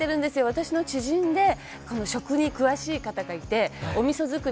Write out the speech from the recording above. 「私の知人で食に詳しい方がいてお味噌造り